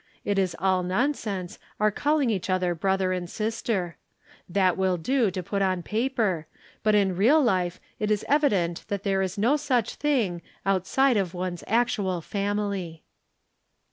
It is all nonsense, our calling each other brother and sister. That will do to put on paper, but in real life it is evident that there is no such thing, out side of one's actual family.